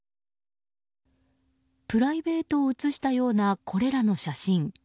プライベートを映したようなこれらの写真。